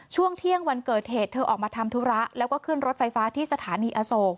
ช่วงเที่ยงวันเกิดเหตุเธอออกมาทำธุระแล้วก็ขึ้นรถไฟฟ้าที่สถานีอโศก